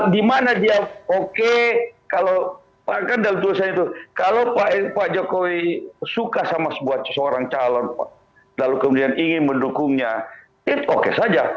di mana dia oke kalau pak jokowi suka sama sebuah calon lalu kemudian ingin mendukungnya itu oke saja